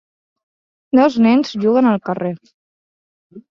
Dos nens juguen al carrer